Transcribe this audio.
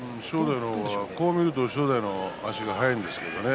こう見ると正代の足が早いんですけどね。